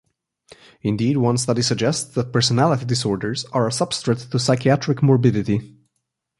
Indeed, one study suggests that personality disorders are a substrate to psychiatric morbidity.